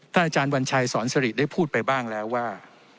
อาจารย์วัญชัยสอนสริได้พูดไปบ้างแล้วว่า